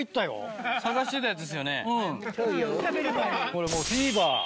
これもうフィーバー！